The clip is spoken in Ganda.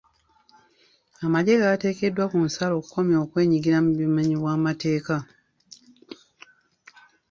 Amagye gaateekeddwa ku nsalo okukomya okwenyigira mu bumenyi bw'amateeka.